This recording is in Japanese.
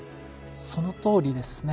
そのとおりですね。